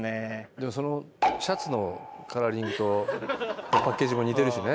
じゃあそのシャツのカラーリングとパッケージも似てるしね。